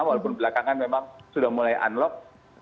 walaupun belakangan memang sudah mulai unlock